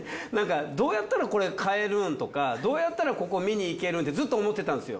どうやったらこれ買えるん？とかどうやったらここ見に行けるん？ってずっと思ってたんですよ。